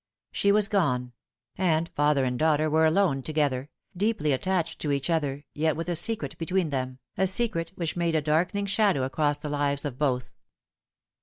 She was gone; and father and daughter were alone together deeply attached to each other, yet with a secret between them, a secret which made a darkening shadow across the lives of both.